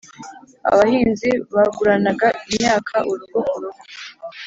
abahinzi baguranaga imyaka urugo ku rugo